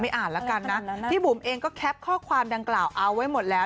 อ่านแล้วกันนะพี่บุ๋มเองก็แคปข้อความดังกล่าวเอาไว้หมดแล้ว